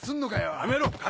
やめろ克！